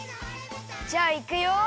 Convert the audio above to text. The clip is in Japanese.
じゃあいくよ。